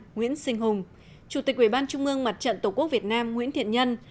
nguyễn sinh hùng chủ tịch ubnd mặt trận tổ quốc việt nam nguyễn thiện nhân